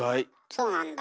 そうなんだ。